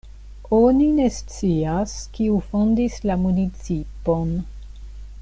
Oni ne scias kiu fondis la municipon.